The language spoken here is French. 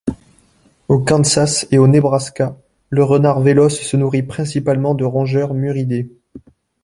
Au Kansas et au Nebraska, le Renard véloce se nourrit principalement de rongeurs muridés.